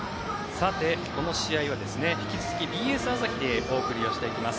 この試合は引き続きＢＳ朝日でお送りします。